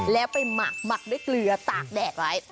แล้วไปหมักหมักด้วยเกลือตากแดดไว้